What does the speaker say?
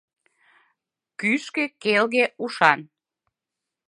Кӱкшӧ, келге, ушан.